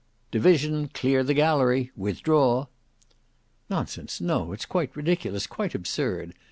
"Division: clear the gallery. Withdraw." "Nonsense; no; it's quite ridiculous; quite absurd.